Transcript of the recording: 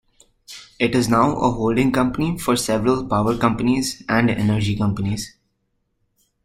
It is now a holding company for several power companies and energy companies.